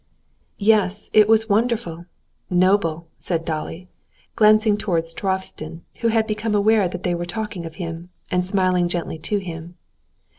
"Yes, it was wonderful, noble!" said Dolly, glancing towards Turovtsin, who had become aware they were talking of him, and smiling gently to him.